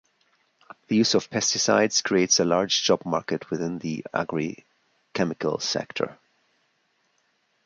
The use of pesticides creates a large job market within the agrichemical sector.